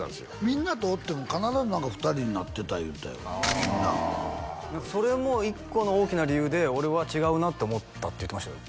みんなとおっても必ず２人になってた言うてたよああそれも一個の大きな理由で俺は違うなって思ったって言ってましたよ